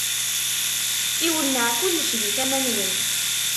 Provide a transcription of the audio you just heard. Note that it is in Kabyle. Iwenneɛ kullec di tama-nwen.